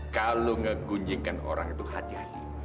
kalau ngegunjikan orang itu hati hati